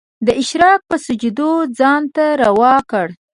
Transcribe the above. د اشراق په سجدو ځان ته روا کړ